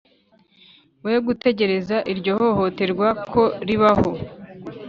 we gutegereza iryo hohoterwa ko ribaho.